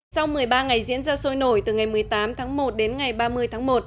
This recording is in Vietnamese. sau một mươi ba ngày diễn ra sôi nổi từ ngày một mươi tám tháng một đến ngày ba mươi tháng một